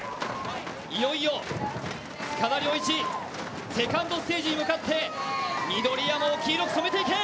いよいよ塚田僚一、セカンドステージに向かって、緑山を黄色く染めていく。